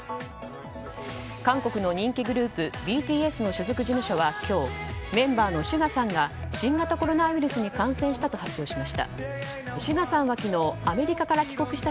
韓国の人気グループＢＴＳの所属事務所は今日、メンバーのＳＵＧＡさんが新型コロナウイルスに感染したと発表しました。